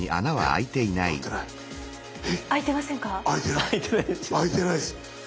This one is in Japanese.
開いてないです！